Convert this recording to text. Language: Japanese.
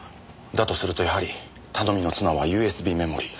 だとするとやはり頼みの綱はＵＳＢメモリー。